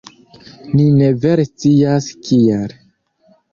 Ni ne vere scias, kial.